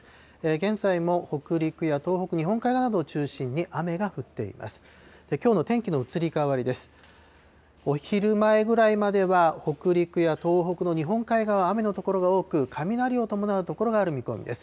現在も北陸や東北、日本海側などを中心に、雨が降っています。